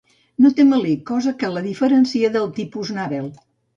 No té melic, cosa que la diferencia del tipus nàvel.